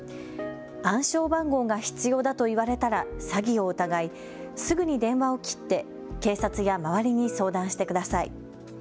暗証番号が必要だと言われたら詐欺を疑い、すぐに電話を切って警察や周りに相談してください。